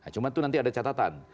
cuma itu nanti ada catatan